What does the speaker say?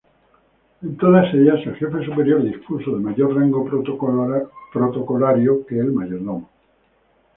En todas ellas, el jefe superior dispuso de mayor rango protocolario que el mayordomo.